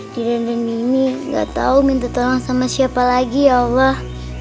dina dan dini gak tau minta tolong sama siapa lagi ya allah